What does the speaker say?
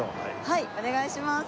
はいお願いします。